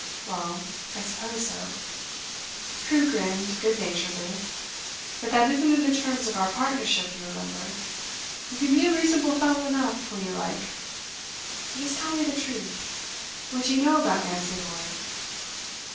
'Well, I suppose so.' Crewe grinned good naturedly. 'But that isn't in the terms of our partnership, you remember. You can be a reasonable fellow enough, when you like. Just tell me the truth. What do you know about Nancy Lord?